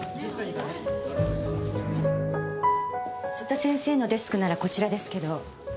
曽田先生のデスクならこちらですけど。